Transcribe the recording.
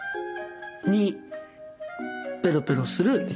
２ペロペロする。